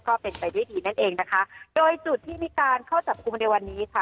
ก็เป็นไปด้วยดีนั่นเองนะคะโดยจุดที่มีการเข้าจับกลุ่มในวันนี้ค่ะ